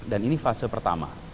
dan ini fase pertama